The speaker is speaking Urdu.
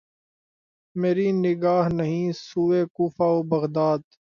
مری نگاہ نہیں سوئے کوفہ و بغداد